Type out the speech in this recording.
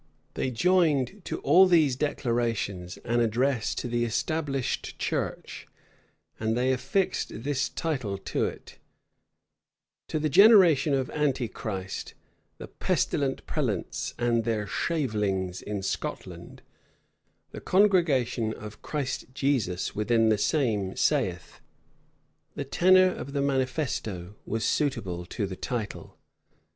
They joined to all these declarations an address to the established church; and they affixed this title to it: "To the generation of Antichrist, the pestilent prelates and their 'shavelings'[*] in Scotland, the congregation of Christ Jesus within the same sayeth." The tenor of the manifesto was suitable to the title.